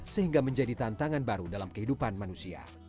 sehingga menjadi tantangan baru dalam kehidupan manusia